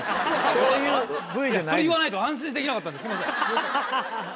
それ言わないと安心できなかったすいません。